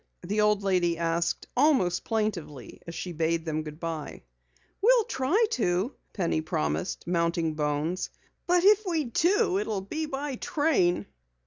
the old lady asked almost plaintively as she bade them goodbye. "We'll try to," Penny promised, mounting Bones. "But if we do it will be by train."